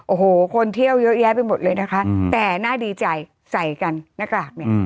โอ้โหคนเที่ยวเยอะแยะไปหมดเลยนะคะแต่น่าดีใจใส่กันหน้ากากเนี่ย